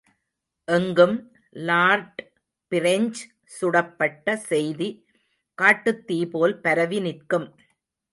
எங்கும் லார்ட்பிரெஞ்ச்சுடப்பட்ட செய்தி காட்டுத்தீ போல் பரவிநிற்கும்.